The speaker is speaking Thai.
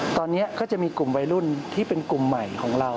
ตอนนี้ก็จะมีกลุ่มวัยรุ่นที่เป็นกลุ่มใหม่ของเรา